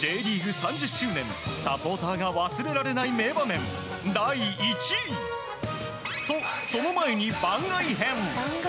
３０周年サポーターが忘れられない名場面第１位。と、その前に番外編。